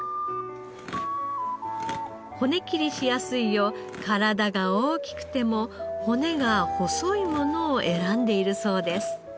骨切りしやすいよう体が大きくても骨が細いものを選んでいるそうです。